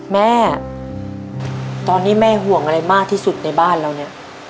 แม่ตอนนี้แม่ห่วงอะไรมากที่สุดในบ้านเราเนี่ย